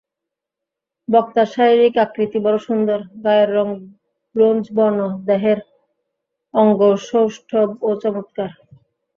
বক্তার শারীরিক আকৃতি বড় সুন্দর, গায়ের রঙ ব্রোঞ্জবর্ণ, দেহের অঙ্গসৌষ্ঠবও চমৎকার।